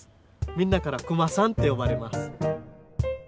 みんなからクマさんって呼ばれます。